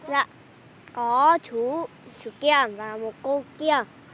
dạ có chú kia và một cô kia